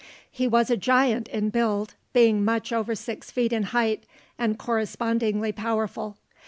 He was a giant in build, being much over six feet in height, and correspondingly powerful.